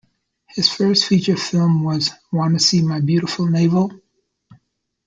His first feature film was Wanna See My Beautiful Navel?